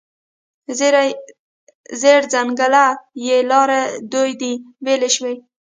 زیړ ځنګله کې لارې دوې دي، بیلې شوې